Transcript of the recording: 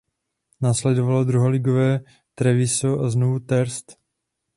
Následovalo druholigové Treviso a znovu Terst.